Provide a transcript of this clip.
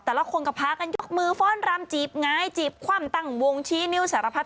แต่ละคนก็พากันยกมือฟ้อนรำจีบง้ายจีบคว่ำตั้งวงชี้นิ้วสารพัด